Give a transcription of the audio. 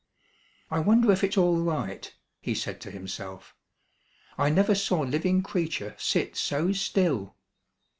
"I wonder if it's all right," he said to himself. "I never saw living creature sit so still."